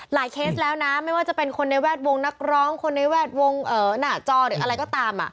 เคสแล้วนะไม่ว่าจะเป็นคนในแวดวงนักร้องคนในแวดวงหน้าจอหรืออะไรก็ตาม